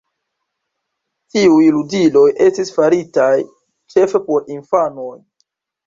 Tiuj ludiloj estis faritaj ĉefe por infanoj.